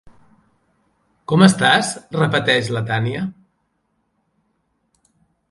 Com estàs? —repeteix la Tània.